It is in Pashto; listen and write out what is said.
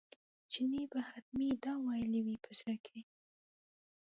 چیني به حتمي دا ویلي وي په زړه کې.